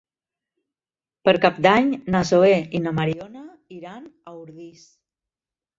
Per Cap d'Any na Zoè i na Mariona iran a Ordis.